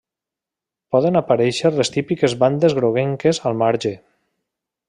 Poden aparèixer les típiques bandes groguenques al marge.